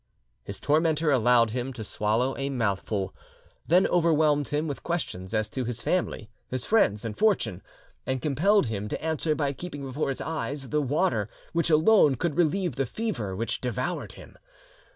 His tormentor allowed him to swallow a mouthful, then overwhelmed him with questions as to his family, his friends and fortune, and compelled him to answer by keeping before his eyes the water which alone could relieve the fever which devoured him.